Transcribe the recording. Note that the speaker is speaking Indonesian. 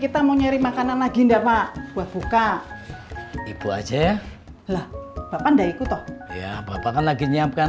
terima kasih banyak